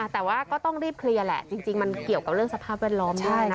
แต่ว่าก็ต้องรีบเคลียร์แหละจริงมันเกี่ยวกับเรื่องสภาพแวดล้อมได้นะ